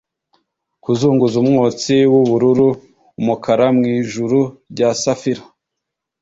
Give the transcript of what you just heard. kuzunguza umwotsi wubururu-umukara mwijuru rya safiro